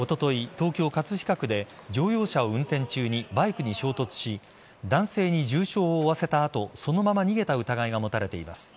東京・葛飾区で乗用車を運転中にバイクに衝突し男性に重傷を負わせた後そのまま逃げた疑いが持たれています。